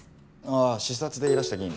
ああ視察でいらした議員の。